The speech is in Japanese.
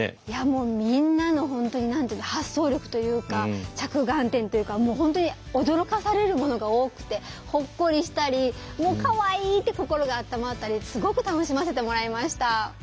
いやもうみんなの本当に発想力というか着眼点というかもう本当に驚かされるものが多くてほっこりしたりもう「かわいい！」って心があったまったりすごく楽しませてもらいました。